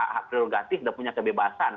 hak prerogatif dan punya kebebasan